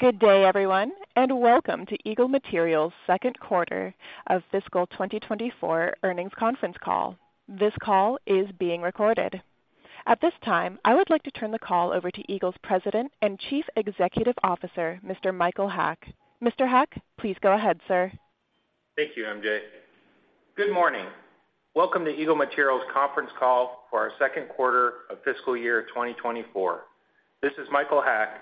Good day, everyone, and welcome to Eagle Materials' second quarter of fiscal 2024 earnings conference call. This call is being recorded. At this time, I would like to turn the call over to Eagle's President and Chief Executive Officer, Mr. Michael Haack. Mr. Haack, please go ahead, sir. Thank you, MJ. Good morning. Welcome to Eagle Materials conference call for our second quarter of fiscal year 2024. This is Michael Haack.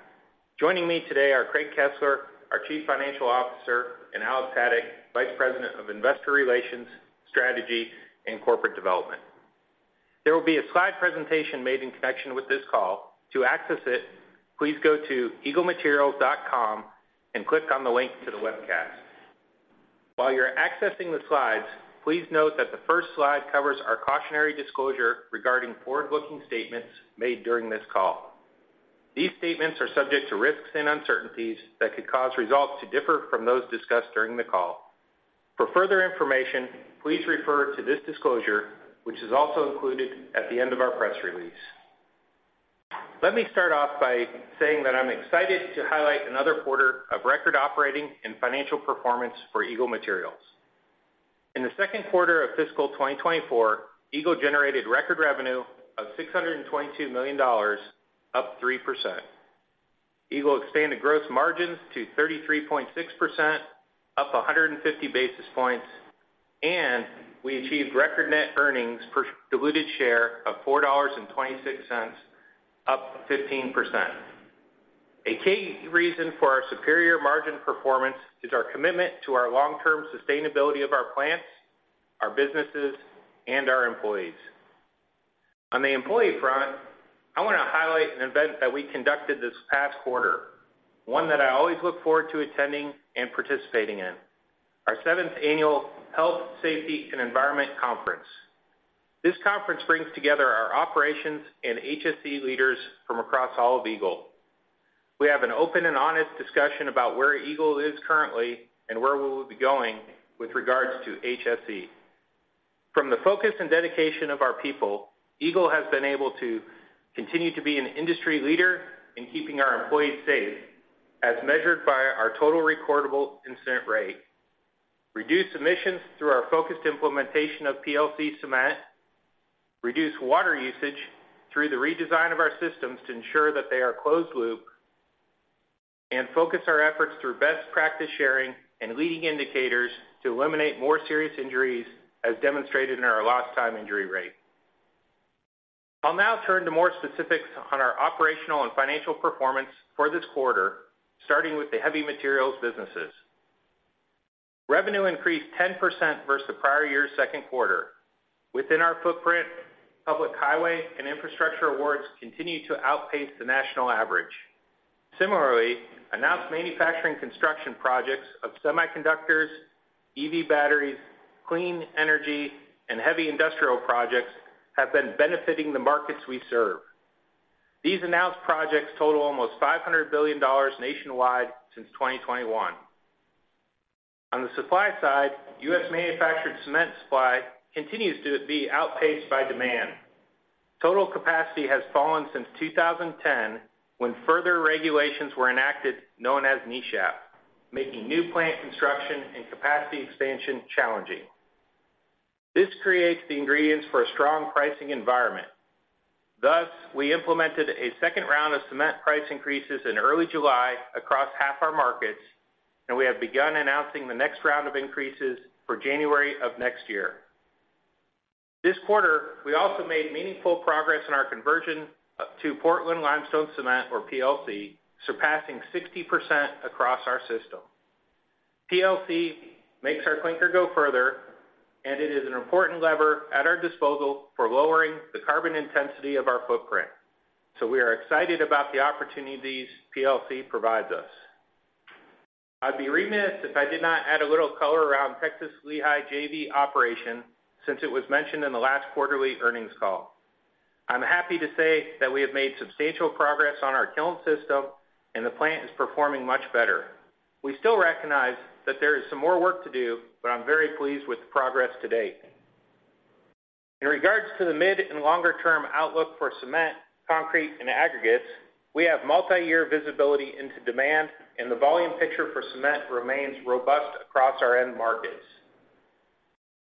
Joining me today are Craig Kesler, our Chief Financial Officer, and Alex Haddock, Vice President of Investor Relations, Strategy, and Corporate Development. There will be a slide presentation made in connection with this call. To access it, please go to eaglematerials.com and click on the link to the webcast. While you're accessing the slides, please note that the first slide covers our cautionary disclosure regarding forward-looking statements made during this call. These statements are subject to risks and uncertainties that could cause results to differ from those discussed during the call. For further information, please refer to this disclosure, which is also included at the end of our press release. Let me start off by saying that I'm excited to highlight another quarter of record operating and financial performance for Eagle Materials. In the second quarter of fiscal 2024, Eagle generated record revenue of $622 million, up 3%. Eagle expanded gross margins to 33.6%, up 150 basis points, and we achieved record net earnings per diluted share of $4.26, up 15%. A key reason for our superior margin performance is our commitment to our long-term sustainability of our plants, our businesses, and our employees. On the employee front, I want to highlight an event that we conducted this past quarter, one that I always look forward to attending and participating in, our seventh annual Health, Safety and Environment Conference. This conference brings together our operations and HSE leaders from across all of Eagle. We have an open and honest discussion about where Eagle is currently and where we will be going with regards to HSE. From the focus and dedication of our people, Eagle has been able to continue to be an industry leader in keeping our employees safe, as measured by our total recordable incident rate, reduce emissions through our focused implementation of PLC cement, reduce water usage through the redesign of our systems to ensure that they are closed loop, and focus our efforts through best practice sharing and leading indicators to eliminate more serious injuries, as demonstrated in our lost time injury rate. I'll now turn to more specifics on our operational and financial performance for this quarter, starting with the heavy materials businesses. Revenue increased 10% versus the prior year's second quarter. Within our footprint, public highway and infrastructure awards continue to outpace the national average. Similarly, announced manufacturing construction projects of semiconductors, EV batteries, clean energy, and heavy industrial projects have been benefiting the markets we serve. These announced projects total almost $500 billion nationwide since 2021. On the supply side, U.S.-manufactured cement supply continues to be outpaced by demand. Total capacity has fallen since 2010, when further regulations were enacted, known as NESHAP, making new plant construction and capacity expansion challenging. This creates the ingredients for a strong pricing environment. Thus, we implemented a second round of cement price increases in early July across half our markets, and we have begun announcing the next round of increases for January of next year. This quarter, we also made meaningful progress in our conversion to Portland Limestone Cement, or PLC, surpassing 60% across our system. PLC makes our clinker go further, and it is an important lever at our disposal for lowering the carbon intensity of our footprint. So we are excited about the opportunity these PLC provides us. I'd be remiss if I did not add a little color around Texas Lehigh JV operation, since it was mentioned in the last quarterly earnings call. I'm happy to say that we have made substantial progress on our kiln system, and the plant is performing much better. We still recognize that there is some more work to do, but I'm very pleased with the progress to date. In regards to the mid- and longer-term outlook for cement, concrete, and aggregates, we have multiyear visibility into demand, and the volume picture for cement remains robust across our end markets.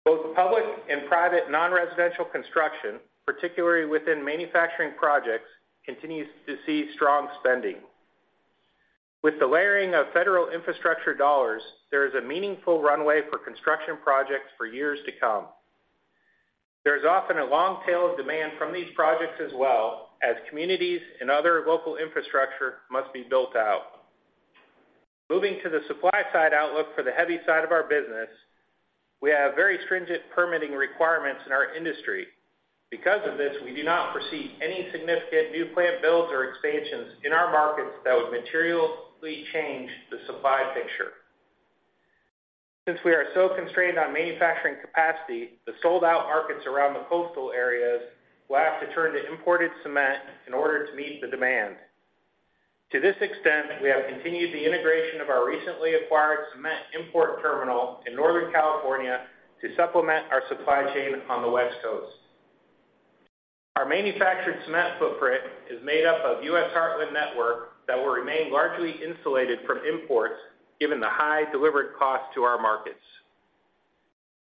Both public and private non-residential construction, particularly within manufacturing projects, continues to see strong spending. With the layering of federal infrastructure dollars, there is a meaningful runway for construction projects for years to come. There is often a long tail of demand from these projects as well, as communities and other local infrastructure must be built out. Moving to the supply side outlook for the heavy side of our business, we have very stringent permitting requirements in our industry. Because of this, we do not foresee any significant new plant builds or expansions in our markets that would materially change the supply picture. Since we are so constrained on manufacturing capacity, the sold-out markets around the coastal areas will have to turn to imported cement in order to meet the demand. To this extent, we have continued the integration of our recently acquired cement import terminal in Northern California to supplement our supply chain on the West Coast. Our manufactured cement footprint is made up of U.S. Heartland network that will remain largely insulated from imports, given the high delivered cost to our markets.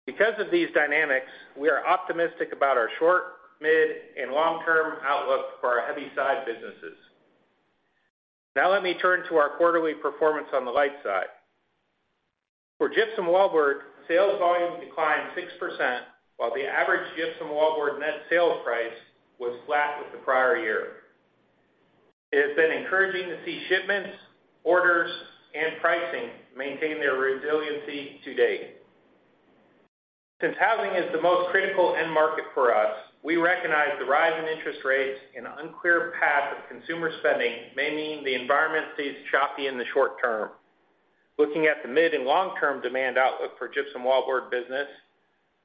Because of these dynamics, we are optimistic about our short, mid, and long-term outlook for our heavy side businesses. Now let me turn to our quarterly performance on the light side. For Gypsum Wallboard, sales volumes declined 6%, while the average Gypsum Wallboard net sales price was flat with the prior year. It has been encouraging to see shipments, orders, and pricing maintain their resiliency to date. Since housing is the most critical end market for us, we recognize the rise in interest rates and unclear path of consumer spending may mean the environment stays choppy in the short term. Looking at the mid and long-term demand outlook for Gypsum Wallboard business,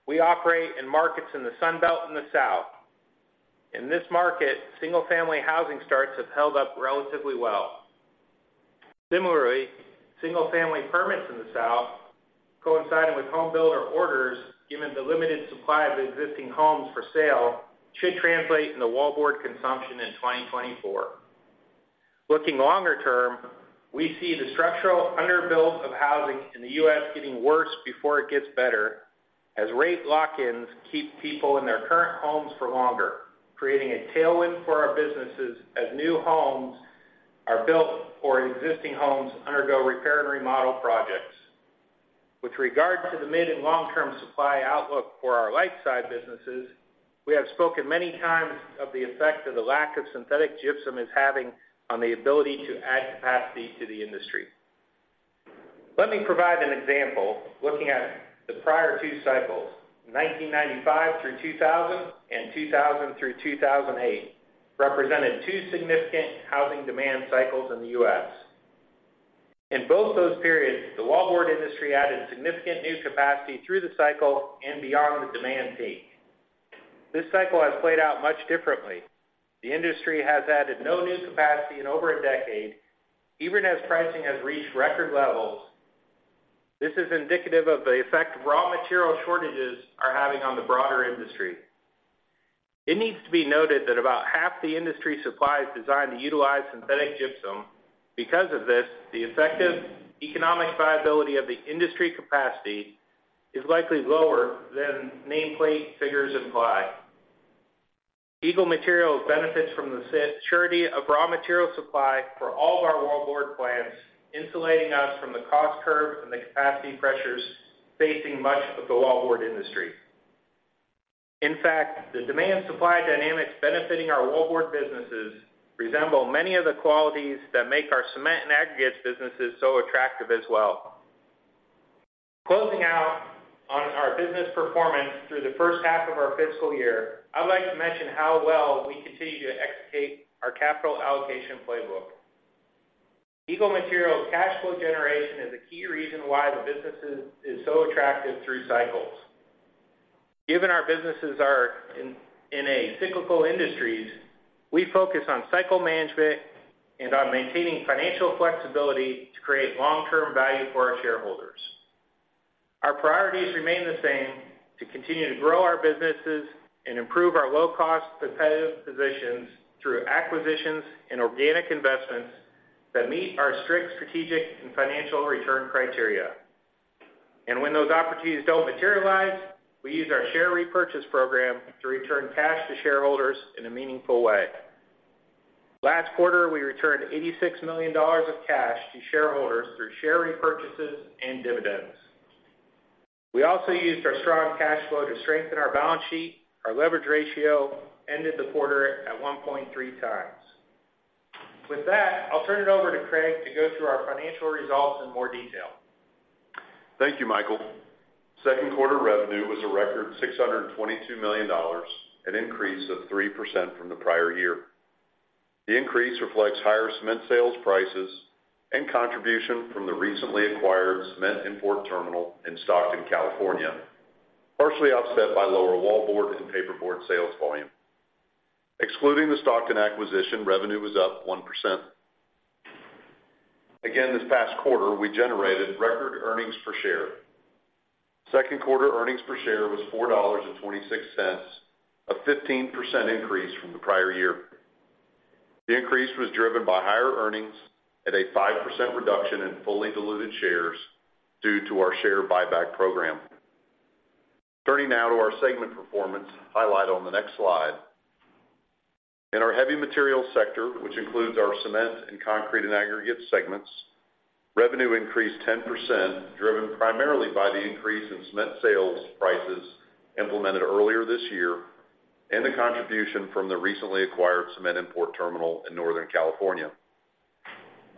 we operate in markets in the Sun Belt in the South. In this market, single-family housing starts have held up relatively well. Similarly, single-family permits in the South, coinciding with home builder orders, given the limited supply of existing homes for sale, should translate into wallboard consumption in 2024. Looking longer term, we see the structural underbuild of housing in the U.S. getting worse before it gets better, as rate lock-ins keep people in their current homes for longer, creating a tailwind for our businesses as new homes are built or existing homes undergo repair and remodel projects. With regard to the mid- and long-term supply outlook for our light-side businesses, we have spoken many times of the effect of the lack of synthetic gypsum is having on the ability to add capacity to the industry. Let me provide an example, looking at the prior two cycles. 1995 through 2000 and 2000 through 2008 represented two significant housing demand cycles in the U.S. In both those periods, the wallboard industry added significant new capacity through the cycle and beyond the demand peak. This cycle has played out much differently. The industry has added no new capacity in over a decade, even as pricing has reached record levels. This is indicative of the effect raw material shortages are having on the broader industry. It needs to be noted that about half the industry supply is designed to utilize synthetic gypsum. Because of this, the effective economic viability of the industry capacity is likely lower than nameplate figures imply. Eagle Materials benefits from the security of raw material supply for all of our wallboard plants, insulating us from the cost curve and the capacity pressures facing much of the wallboard industry. In fact, the demand/supply dynamics benefiting our wallboard businesses resemble many of the qualities that make our cement and aggregates businesses so attractive as well. Closing out on our business performance through the first half of our fiscal year, I'd like to mention how well we continue to execute our capital allocation playbook. Eagle Materials' cash flow generation is a key reason why the businesses is so attractive through cycles. Given our businesses are in a cyclical industries, we focus on cycle management and on maintaining financial flexibility to create long-term value for our shareholders. Our priorities remain the same: to continue to grow our businesses and improve our low-cost, competitive positions through acquisitions and organic investments that meet our strict strategic and financial return criteria. When those opportunities don't materialize, we use our share repurchase program to return cash to shareholders in a meaningful way. Last quarter, we returned $86 million of cash to shareholders through share repurchases and dividends. We also used our strong cash flow to strengthen our balance sheet. Our leverage ratio ended the quarter at 1.3x. With that, I'll turn it over to Craig to go through our financial results in more detail. Thank you, Michael. Second quarter revenue was a record $622 million, an increase of 3% from the prior year. The increase reflects higher cement sales prices and contribution from the recently acquired cement import terminal in Stockton, California, partially offset by lower wallboard and paperboard sales volume. Excluding the Stockton acquisition, revenue was up 1%. Again, this past quarter, we generated record earnings per share. Second quarter earnings per share was $4.26, a 15% increase from the prior year. The increase was driven by higher earnings at a 5% reduction in fully diluted shares due to our share buyback program. Turning now to our segment performance, highlighted on the next slide. In our heavy materials sector, which includes our cement and concrete and aggregate segments, revenue increased 10%, driven primarily by the increase in cement sales prices implemented earlier this year and the contribution from the recently acquired cement import terminal in Northern California.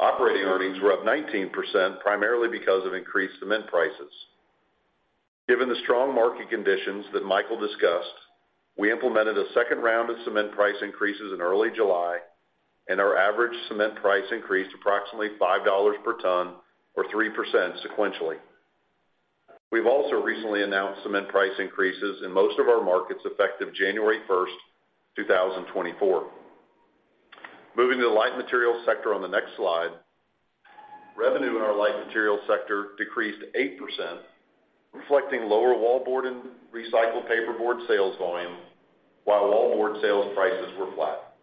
Operating earnings were up 19%, primarily because of increased cement prices. Given the strong market conditions that Michael discussed, we implemented a second round of cement price increases in early July, and our average cement price increased approximately $5 per ton or 3% sequentially. We've also recently announced cement price increases in most of our markets, effective January 1, 2024.... Moving to the light materials sector on the next slide. Revenue in our light materials sector decreased 8%, reflecting lower wallboard and recycled paperboard sales volume, while wallboard sales prices were flat.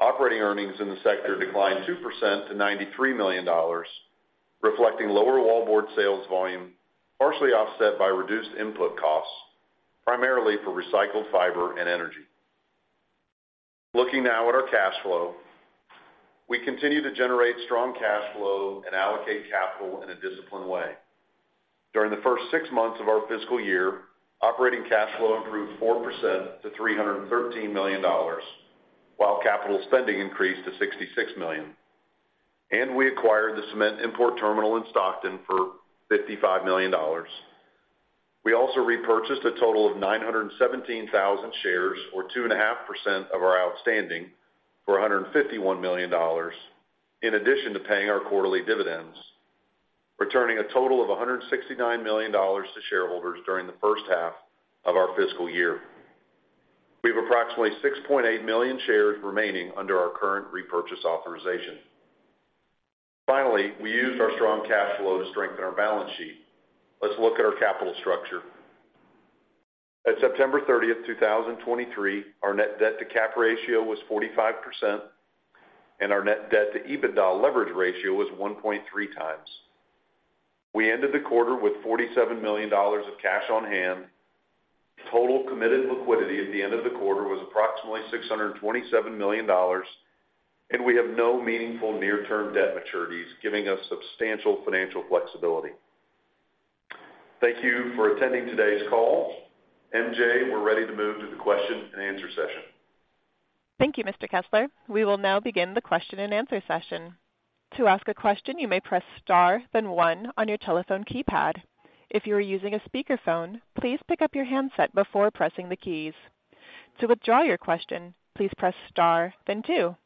Operating earnings in the sector declined 2% to $93 million, reflecting lower wallboard sales volume, partially offset by reduced input costs, primarily for recycled fiber and energy. Looking now at our cash flow. We continue to generate strong cash flow and allocate capital in a disciplined way. During the first six months of our fiscal year, operating cash flow improved 4% to $313 million, while capital spending increased to $66 million, and we acquired the cement import terminal in Stockton for $55 million. We also repurchased a total of 917,000 shares, or 2.5% of our outstanding, for $151 million, in addition to paying our quarterly dividends, returning a total of $169 million to shareholders during the first half of our fiscal year. We have approximately 6.8 million shares remaining under our current repurchase authorization. Finally, we used our strong cash flow to strengthen our balance sheet. Let's look at our capital structure. At September 30th, 2023, our net debt to cap ratio was 45%, and our net debt to EBITDA leverage ratio was 1.3x. We ended the quarter with $47 million of cash on hand. Total committed liquidity at the end of the quarter was approximately $627 million, and we have no meaningful near-term debt maturities, giving us substantial financial flexibility. Thank you for attending today's call. MJ, we're ready to move to the question and answer session. Thank you, Mr. Kesler. We will now begin the question and answer session. To ask a question, you may press star, then one on your telephone keypad. If you are using a speakerphone, please pick up your handset before pressing the keys. To withdraw your question, please press star then two.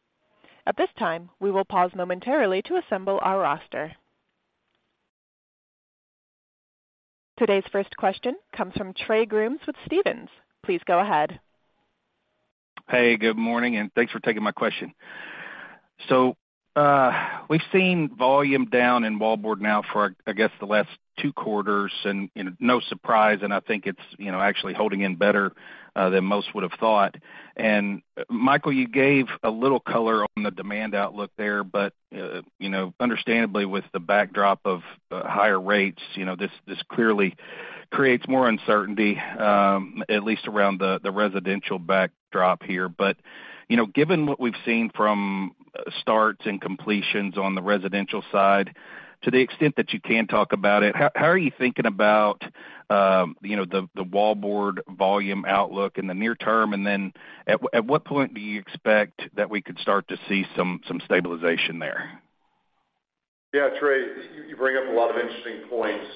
At this time, we will pause momentarily to assemble our roster. Today's first question comes from Trey Grooms with Stephens. Please go ahead. Hey, good morning, and thanks for taking my question. So, we've seen volume down in wallboard now for, I guess, the last two quarters, and no surprise, and I think it's, you know, actually holding in better than most would have thought. And Michael, you gave a little color on the demand outlook there, but, you know, understandably, with the backdrop of higher rates, you know, this clearly creates more uncertainty at least around the residential backdrop here. But, you know, given what we've seen from starts and completions on the residential side, to the extent that you can talk about it, how are you thinking about, you know, the wallboard volume outlook in the near term? And then at what point do you expect that we could start to see some stabilization there? Yeah, Trey, you bring up a lot of interesting points.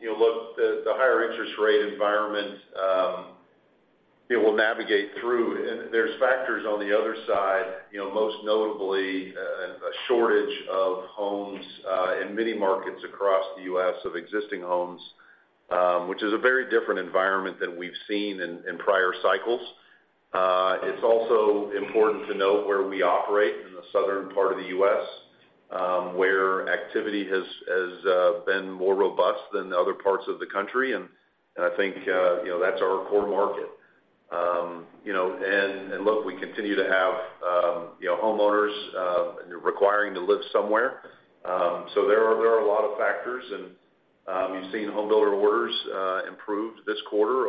You know, look, the higher interest rate environment, it will navigate through. And there's factors on the other side, you know, most notably, a shortage of homes, in many markets across the U.S. of existing homes, which is a very different environment than we've seen in prior cycles. It's also important to note where we operate in the southern part of the U.S., where activity has been more robust than other parts of the country. And I think, you know, that's our core market. You know, and look, we continue to have, you know, homeowners, requiring to live somewhere. So there are a lot of factors, and you've seen homebuilder orders improved this quarter,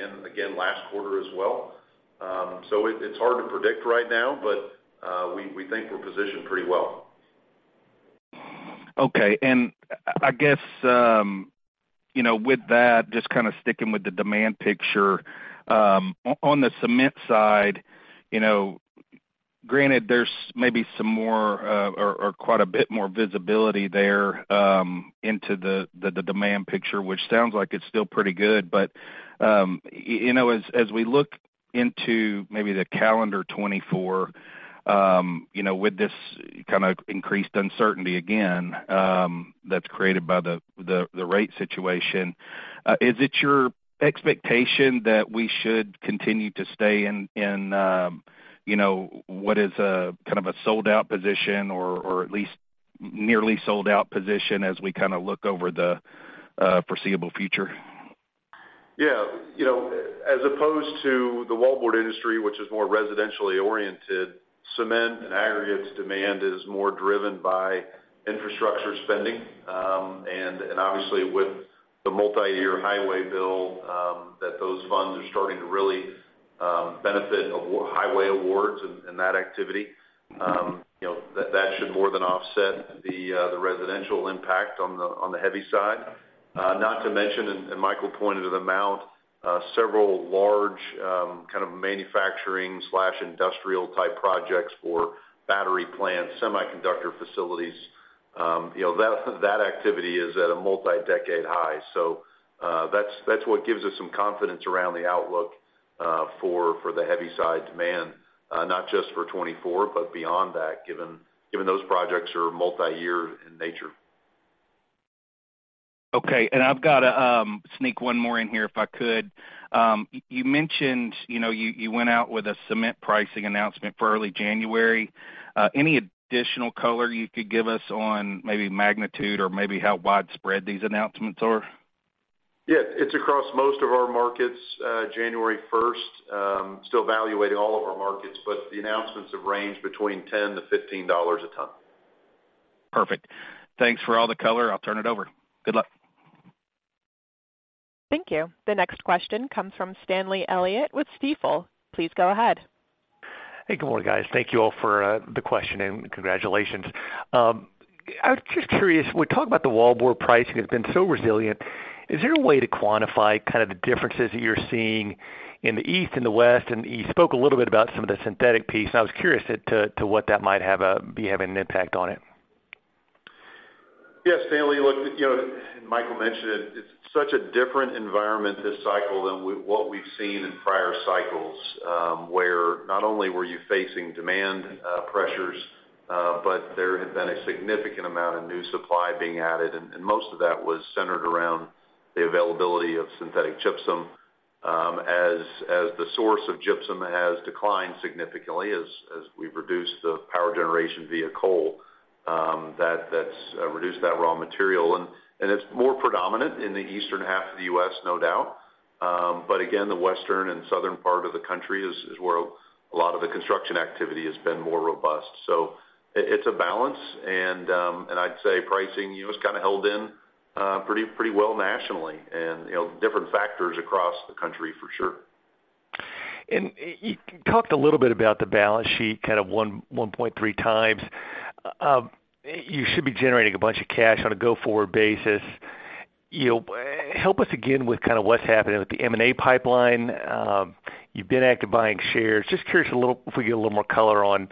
and again, last quarter as well. So it's hard to predict right now, but we think we're positioned pretty well. Okay. And I guess, you know, with that, just kind of sticking with the demand picture, on the cement side, you know, granted, there's maybe some more, or quite a bit more visibility there, into the demand picture, which sounds like it's still pretty good. But, you know, as we look into maybe the calendar 2024, you know, with this kind of increased uncertainty, again, that's created by the rate situation, is it your expectation that we should continue to stay in, you know, what is a kind of a sold-out position or at least nearly sold-out position as we kind of look over the foreseeable future? Yeah. You know, as opposed to the wallboard industry, which is more residentially oriented, cement and aggregates demand is more driven by infrastructure spending. And obviously, with the multiyear highway bill, those funds are starting to really benefit highway awards and that activity. You know, that should more than offset the residential impact on the heavy side. Not to mention, and Michael pointed it out, several large kind of manufacturing/industrial type projects for battery plants, semiconductor facilities. You know, that activity is at a multi-decade high. So, that's what gives us some confidence around the outlook for the heavy side demand, not just for 2024, but beyond that, given those projects are multi-year in nature.... Okay, and I've got to sneak one more in here, if I could. You mentioned, you know, you went out with a cement pricing announcement for early January. Any additional color you could give us on maybe magnitude or maybe how widespread these announcements are? Yeah, it's across most of our markets, January first. Still evaluating all of our markets, but the announcements have ranged between $10-$15 a ton. Perfect. Thanks for all the color. I'll turn it over. Good luck. Thank you. The next question comes from Stanley Elliott with Stifel. Please go ahead. Hey, good morning, guys. Thank you all for the question, and congratulations. I was just curious, when we talk about the wallboard pricing has been so resilient, is there a way to quantify kind of the differences that you're seeing in the East and the West? And you spoke a little bit about some of the synthetic piece, and I was curious to what that might be having an impact on it. Yeah, Stanley, look, you know, Michael mentioned it. It's such a different environment this cycle than what we've seen in prior cycles, where not only were you facing demand pressures, but there had been a significant amount of new supply being added, and most of that was centered around the availability of synthetic gypsum. As the source of gypsum has declined significantly, as we've reduced the power generation via coal, that's reduced that raw material. And it's more predominant in the eastern half of the U.S., no doubt. But again, the Western and Southern part of the country is where a lot of the construction activity has been more robust. So it's a balance, and and I'd say pricing, you know, is kind of held in pretty, pretty well nationally and, you know, different factors across the country for sure. You talked a little bit about the balance sheet, kind of 1.3x. You should be generating a bunch of cash on a go-forward basis. You know, help us again with kind of what's happening with the M&A pipeline. You've been active buying shares. Just curious a little, if we could get a little more color on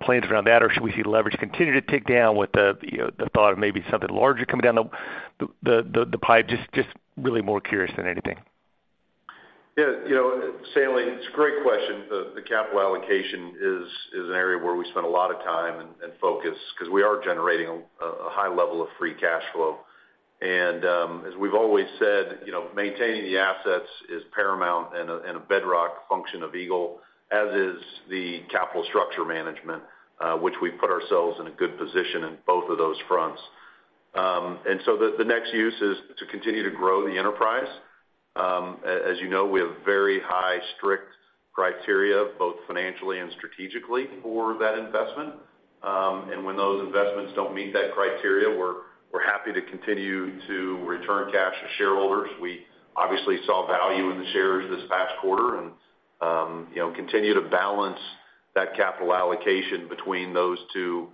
plans around that, or should we see leverage continue to tick down with the, you know, the thought of maybe something larger coming down the pipe? Just really more curious than anything. Yeah, you know, Stanley, it's a great question. The capital allocation is an area where we spend a lot of time and focus, because we are generating a high level of free cash flow. And as we've always said, you know, maintaining the assets is paramount and a bedrock function of Eagle, as is the capital structure management, which we put ourselves in a good position in both of those fronts. And so the next use is to continue to grow the enterprise. As you know, we have very high strict criteria, both financially and strategically, for that investment. And when those investments don't meet that criteria, we're happy to continue to return cash to shareholders. We obviously saw value in the shares this past quarter and, you know, continue to balance that capital allocation between those two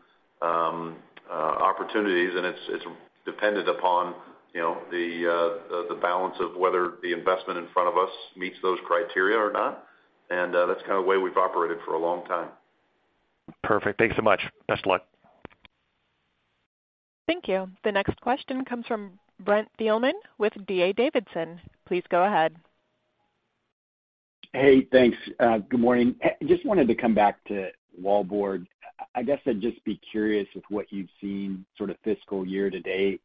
opportunities, and it's dependent upon, you know, the balance of whether the investment in front of us meets those criteria or not, and that's kind of the way we've operated for a long time. Perfect. Thanks so much. Best of luck. Thank you. The next question comes from Brent Thielman with D.A. Davidson. Please go ahead. Hey, thanks. Good morning. Just wanted to come back to wallboard. I guess I'd just be curious with what you've seen sort of fiscal year to date,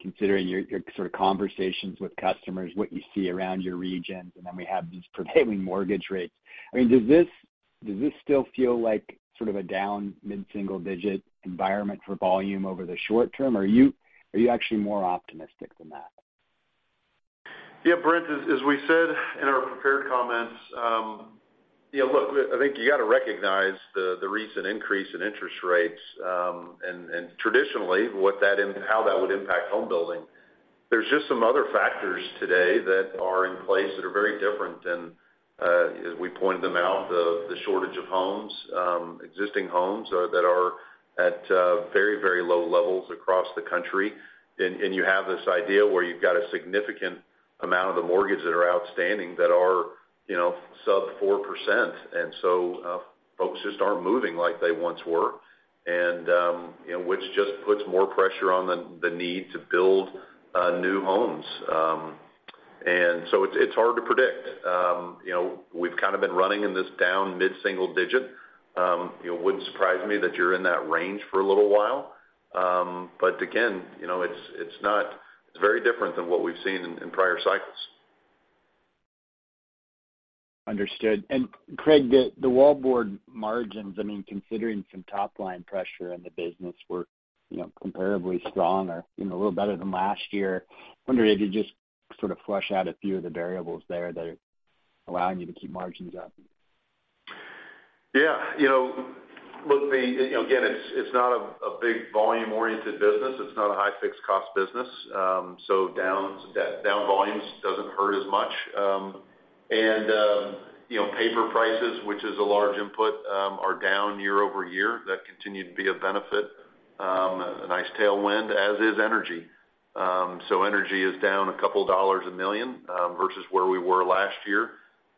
considering your sort of conversations with customers, what you see around your regions, and then we have these prevailing mortgage rates. I mean, does this still feel like sort of a down mid-single digit environment for volume over the short term, or are you actually more optimistic than that? Yeah, Brent, as we said in our prepared comments, you know, look, I think you got to recognize the recent increase in interest rates, and traditionally, what that impact, how that would impact home building. There's just some other factors today that are in place that are very different, and as we pointed them out, the shortage of homes, existing homes, that are at very, very low levels across the country. And you have this idea where you've got a significant amount of the mortgages that are outstanding that are, you know, sub 4%, and so, folks just aren't moving like they once were, and you know, which just puts more pressure on the need to build new homes. And so it's hard to predict. You know, we've kind of been running in this down mid-single digit. It wouldn't surprise me that you're in that range for a little while. But again, you know, it's not. It's very different than what we've seen in prior cycles. Understood. And Craig, the wallboard margins, I mean, considering some top-line pressure in the business, were, you know, comparably strong or, you know, a little better than last year. I wonder if you just sort of flesh out a few of the variables there that are allowing you to keep margins up? Yeah, you know, look, the, you know, again, it's, it's not a, a big volume-oriented business. It's not a high fixed-cost business. Down volumes doesn't hurt as much. And, you know, paper prices, which is a large input, are down year-over-year. That continued to be a benefit, a nice tailwind, as is energy. So energy is down a couple of dollars a million versus where we were last year,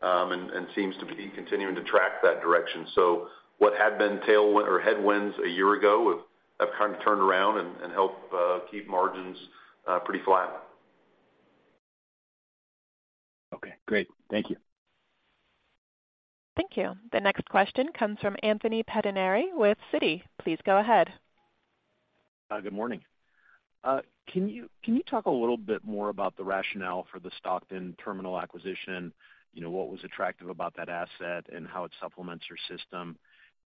and seems to be continuing to track that direction. So what had been tailwind or headwinds a year ago have kind of turned around and helped keep margins pretty flat... Okay, great. Thank you. Thank you. The next question comes from Anthony Pettinari with Citi. Please go ahead. Good morning. Can you talk a little bit more about the rationale for the Stockton terminal acquisition? You know, what was attractive about that asset and how it supplements your system?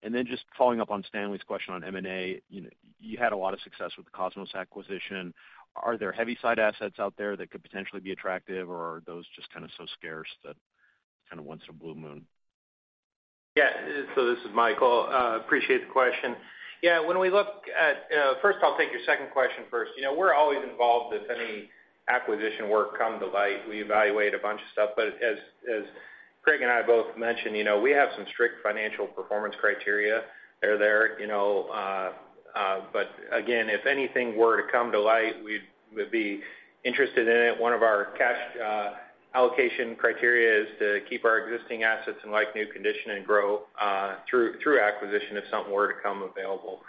And then just following up on Stanley's question on M&A, you know, you had a lot of success with the Kosmos acquisition. Are there heavy side assets out there that could potentially be attractive, or are those just kind of so scarce that kind of once in a blue moon? Yeah. So this is Michael. Appreciate the question. Yeah, when we look at—First, I'll take your second question first. You know, we're always involved if any acquisition work come to light. We evaluate a bunch of stuff, but as, as Craig and I both mentioned, you know, we have some strict financial performance criteria. They're there, you know, but again, if anything were to come to light, we'd, we'd be interested in it. One of our cash allocation criteria is to keep our existing assets in like-new condition and grow through, through acquisition if something were to come available.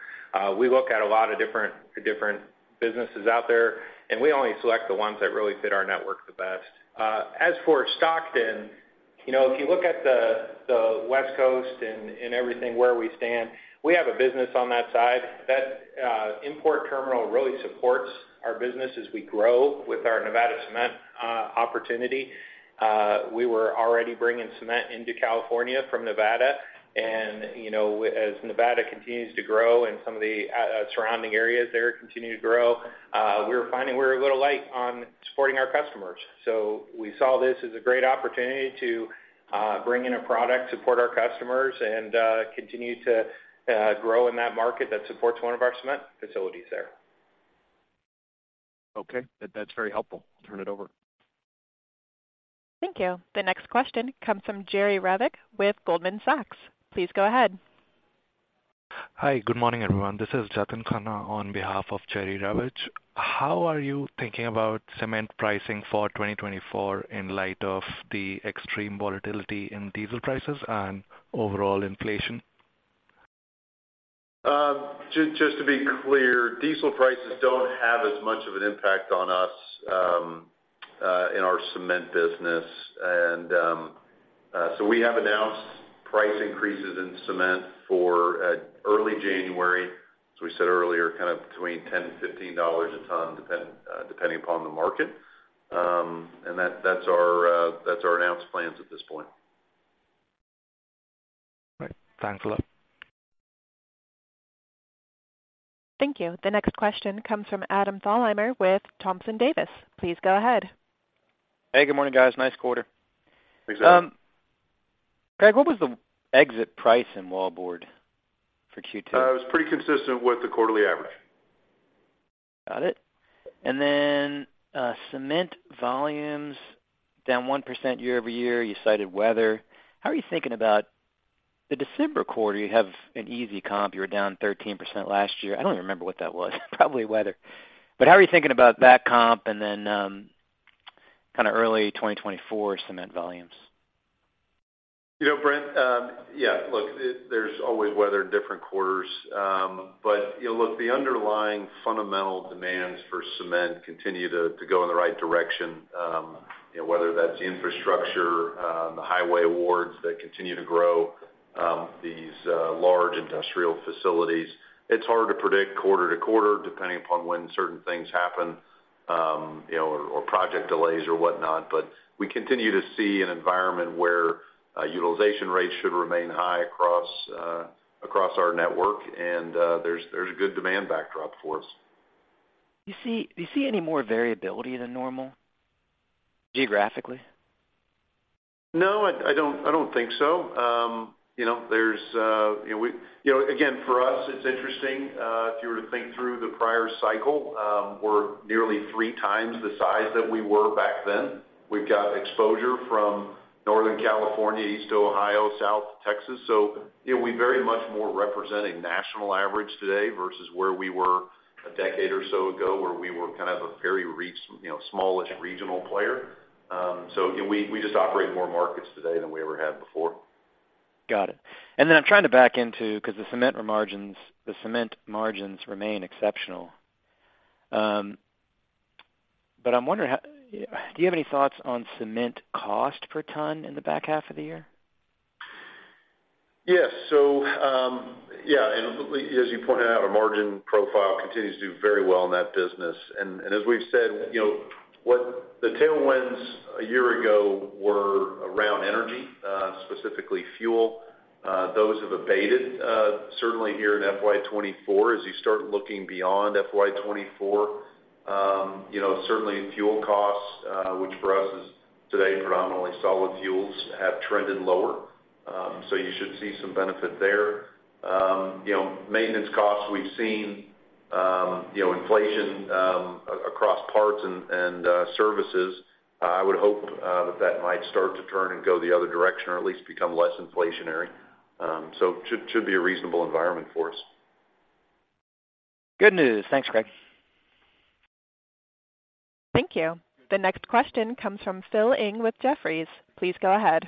We look at a lot of different, different businesses out there, and we only select the ones that really fit our network the best. As for Stockton, you know, if you look at the West Coast and everything where we stand, we have a business on that side. That import terminal really supports our business as we grow with our Nevada Cement opportunity. We were already bringing cement into California from Nevada. And, you know, as Nevada continues to grow and some of the surrounding areas there continue to grow, we're finding we're a little light on supporting our customers. So we saw this as a great opportunity to bring in a product, support our customers, and continue to grow in that market that supports one of our cement facilities there. Okay. That's very helpful. Turn it over. Thank you. The next question comes from Jerry Revich with Goldman Sachs. Please go ahead. Hi, good morning, everyone. This is Jatin Khanna on behalf of Jerry Revich. How are you thinking about cement pricing for 2024 in light of the extreme volatility in diesel prices and overall inflation? Just to be clear, diesel prices don't have as much of an impact on us in our cement business. And so we have announced price increases in cement for early January, as we said earlier, kind of between $10-$15 a ton, depending upon the market. And that, that's our announced plans at this point. Right. Thanks a lot. Thank you. The next question comes from Adam Thalhimer with Thompson Davis. Please go ahead. Hey, good morning, guys. Nice quarter. Thanks. Craig, what was the exit price in wallboard for Q2? It was pretty consistent with the quarterly average. Got it. And then, cement volumes down 1% year-over-year. You cited weather. How are you thinking about the December quarter? You have an easy comp. You were down 13% last year. I don't even remember what that was, probably weather. But how are you thinking about that comp and then, kind of early 2024 cement volumes? You know, Adam, yeah, look, there's always weather in different quarters. But, you know, look, the underlying fundamental demands for cement continue to, to go in the right direction, you know, whether that's infrastructure, the highway awards that continue to grow, these, large industrial facilities. It's hard to predict quarter to quarter, depending upon when certain things happen, you know, or project delays or whatnot. But we continue to see an environment where, utilization rates should remain high across, across our network, and, there's, there's a good demand backdrop for us. Do you see, do you see any more variability than normal, geographically? No, I, I don't, I don't think so. You know, there's you know, we you know, again, for us, it's interesting if you were to think through the prior cycle, we're nearly three times the size that we were back then. We've got exposure from Northern California, East Ohio, South Texas. So you know, we very much more represent a national average today versus where we were a decade or so ago, where we were kind of a very you know, smallish regional player. So you know, we we just operate more markets today than we ever have before. Got it. And then I'm trying to back into, because the cement margins, the cement margins remain exceptional. But I'm wondering, how do you have any thoughts on cement cost per ton in the back half of the year? Yes. So, yeah, and as you pointed out, our margin profile continues to do very well in that business. And as we've said, you know, what the tailwinds a year ago were around energy, specifically fuel. Those have abated, certainly here in FY 2024. As you start looking beyond FY 2024, you know, certainly fuel costs, which for us is today predominantly solid fuels, have trended lower. So you should see some benefit there. You know, maintenance costs, we've seen, you know, inflation, across parts and services. I would hope, that that might start to turn and go the other direction or at least become less inflationary. So it should be a reasonable environment for us. Good news. Thanks, Craig. Thank you. The next question comes from Phil Ng with Jefferies. Please go ahead.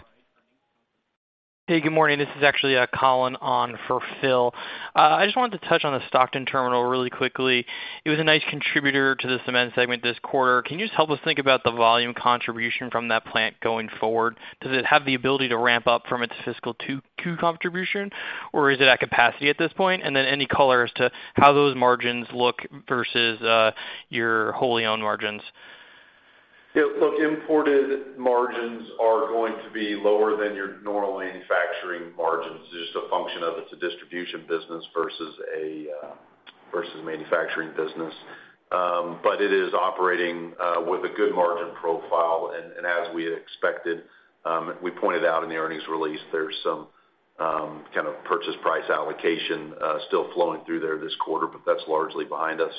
Hey, good morning. This is actually, Collin on for Phil. I just wanted to touch on the Stockton terminal really quickly. It was a nice contributor to the cement segment this quarter. Can you just help us think about the volume contribution from that plant going forward? Does it have the ability to ramp up from its fiscal 2Q contribution, or is it at capacity at this point? And then any color as to how those margins look versus, your wholly owned margins? Yeah, look, imported margins are going to be lower than your normal manufacturing margins. Just a function of it's a distribution business versus a, versus a manufacturing business. But it is operating with a good margin profile, and, and as we had expected, we pointed out in the earnings release, there's some, kind of purchase price allocation still flowing through there this quarter, but that's largely behind us,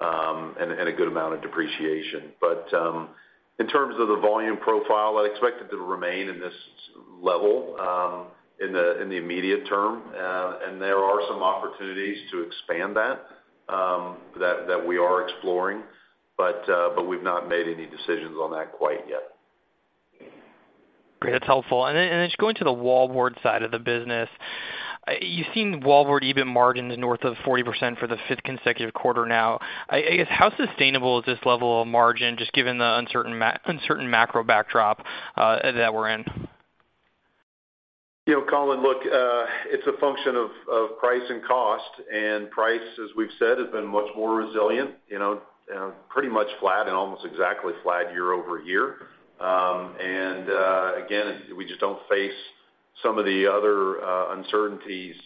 and, and a good amount of depreciation. But, in terms of the volume profile, I expect it to remain in this level, in the, in the immediate term. And there are some opportunities to expand that, that, that we are exploring, but, but we've not made any decisions on that quite yet. Great, that's helpful. Then, just going to the wallboard side of the business, you've seen wallboard EBITDA margins north of 40% for the fifth consecutive quarter now. I guess, how sustainable is this level of margin, just given the uncertain macro backdrop that we're in? You know, Collin, look, it's a function of, of price and cost, and price, as we've said, has been much more resilient, you know, pretty much flat and almost exactly flat year-over-year. And, again, we just don't face some of the other, uncertainties,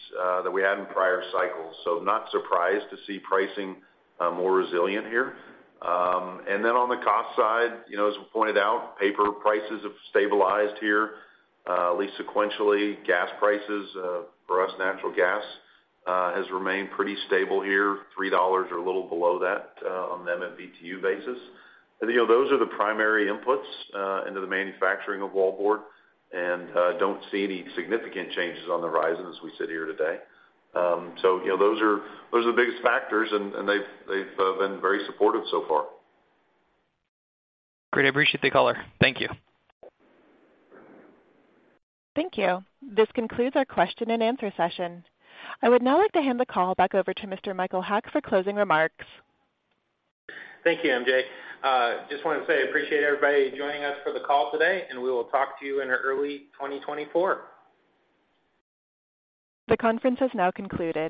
that we had in prior cycles. So not surprised to see pricing, more resilient here. And then on the cost side, you know, as we pointed out, paper prices have stabilized here, at least sequentially. Gas prices, for us, natural gas, has remained pretty stable here, $3 or a little below that, on the MMBtu basis. And, you know, those are the primary inputs, into the manufacturing of wallboard, and, don't see any significant changes on the horizon as we sit here today. So, you know, those are the biggest factors, and they've been very supportive so far. Great. I appreciate the color. Thank you. Thank you. This concludes our question and answer session. I would now like to hand the call back over to Mr. Michael Haack for closing remarks. Thank you, MJ. Just want to say I appreciate everybody joining us for the call today, and we will talk to you in early 2024. The conference has now concluded.